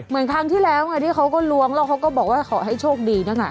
ครั้งที่แล้วไงที่เขาก็ล้วงแล้วเขาก็บอกว่าขอให้โชคดีนั่นน่ะ